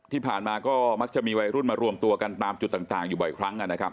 ที่ผ่านมาก็มักจะมีวัยรุ่นมารวมตัวกันตามจุดต่างอยู่บ่อยครั้งนะครับ